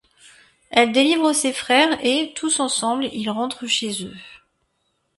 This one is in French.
Elle délivre ses frères et, tous ensemble, ils rentrent chez eux.